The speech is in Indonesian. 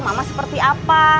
mama seperti apa